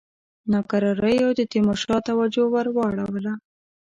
ناکراریو د تیمورشاه توجه ور واړوله.